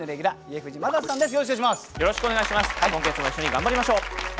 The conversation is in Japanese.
今月も一緒に頑張りましょう。